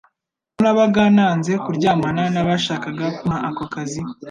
ko nabaga nanze kuryamana n'abashakaga kumpa ako kazi.